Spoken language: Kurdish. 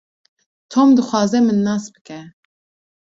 Tom dixwaze min nas bike.